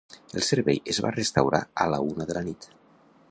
El servei es va restaurar a la una de la nit.